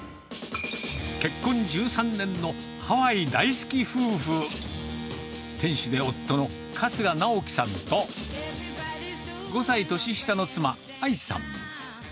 結婚１３年のハワイ大好き夫婦、店主で夫の春日直樹さんと、５歳年下の妻、あいさん。